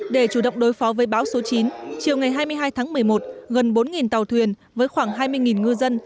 để chủ động đối phó với bão số chín chiều ngày hai mươi hai tháng một mươi một gần bốn tàu thuyền với khoảng hai mươi ngư dân